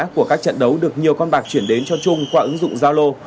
của các trận đấu được nhiều con bạc chuyển đến cho trung qua ứng dụng giao lô